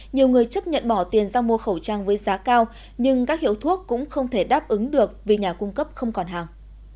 nhiều người chấp nhận bỏ tiền ra mua khẩu trang với giá cao nhưng các hiệu thuốc cũng không thể đáp ứng được vì nhà cung cấp không còn hàng